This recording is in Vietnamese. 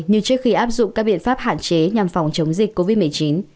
như trước khi áp dụng các biện pháp hạn chế nhằm phòng chống dịch covid một mươi chín